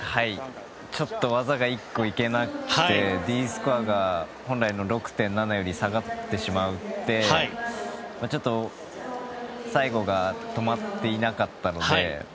ちょっと技が１個いけなくてＤスコアが本来の６．７より下がってしまってちょっと最後も止まっていなかったので。